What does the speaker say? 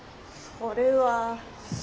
それは？